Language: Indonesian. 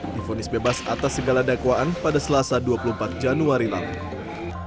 difonis bebas atas segala dakwaan pada selasa dua puluh empat januari lalu